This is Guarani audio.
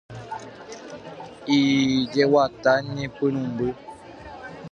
Ijeguata ñepyrũmby.